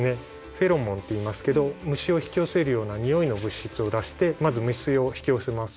フェロモンっていいますけど虫を引き寄せるような匂いの物質を出してまず虫を引き寄せます。